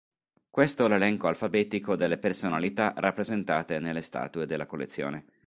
Questo l'elenco alfabetico delle personalità rappresentate nelle statue della collezione.